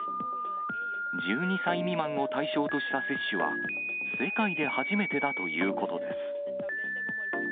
１２歳未満を対象とした接種は、世界で初めてだということです。